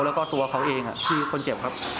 แล้วก็ตัวเขาเองชื่อคนเจ็บครับ